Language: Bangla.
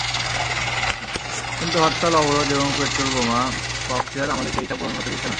কিন্তু হরতাল-অবরোধ এবং পেট্রলবোমা, ককটেল আমাদের সেই ইচ্ছা পূরণ হতে দিচ্ছে না।